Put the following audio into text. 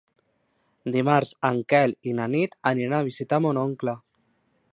Dimarts en Quel i na Nit aniran a visitar mon oncle.